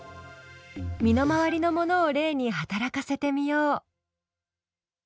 身の回りのものを例に働かせてみよう。